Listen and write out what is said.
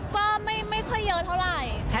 ก็ไม่ค่อยเยอะเท่าไหร่